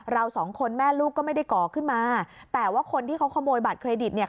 เราสองคนแม่ลูกก็ไม่ได้ก่อขึ้นมาแต่ว่าคนที่เขาขโมยบัตรเครดิตเนี่ย